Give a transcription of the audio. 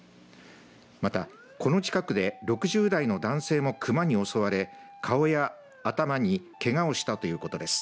また、この近くで６０代の男性も熊に襲われ顔や頭にけがをしたということです。